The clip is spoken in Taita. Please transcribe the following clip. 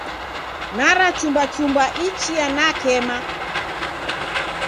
Narachumbachuma ichia nakema.